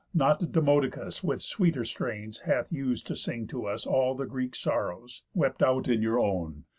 Not Demodocus With sweeter strains hath us'd to sing to us All the Greek sorrows, wept out in your own.